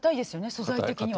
素材的には。